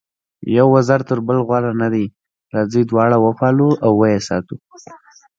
یو وزر تر بل غوره نه دی، راځئ دواړه وپالو او ویې ساتو.